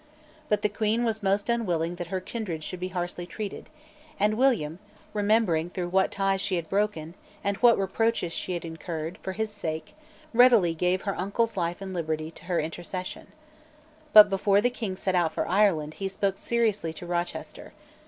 But the Queen was most unwilling that her kindred should be harshly treated; and William, remembering through what ties she had broken, and what reproaches she had incurred, for his sake, readily gave her uncle's life and liberty to her intercession. But, before the King set out for Ireland, he spoke seriously to Rochester.